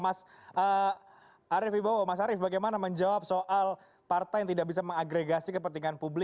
mas arief ibowo mas arief bagaimana menjawab soal partai yang tidak bisa mengagregasi kepentingan publik